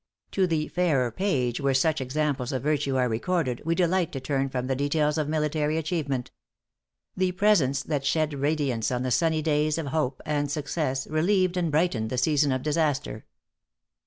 To the fairer page where such examples of virtue are recorded, we delight to turn from the details of military achievement. The presence that shed radiance on the sunny days of hope and success, relieved and brightened the season of disaster.